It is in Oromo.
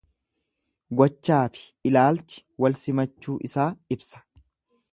Gochaafi ilaalchi wal simachuu isaa ibsa.